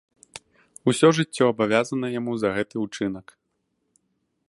Усё жыццё абавязаны яму за гэты ўчынак.